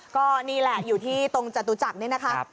ก็นี่แหละอยู่ที่ตรงจตุจักรนี่นะคะ